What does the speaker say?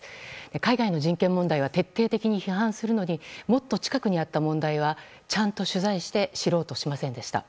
海外の人権問題は徹底的に批判するのにもっと近くにあった問題はちゃんと取材して知ろうとしませんでした。